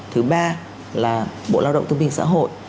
thứ ba là bộ lao động tương minh xã hội